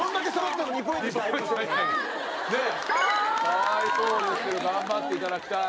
かわいそうですけど頑張って頂きたい。